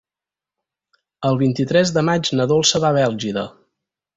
El vint-i-tres de maig na Dolça va a Bèlgida.